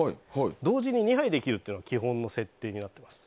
同時に２杯できるというのが基本の設定になっています。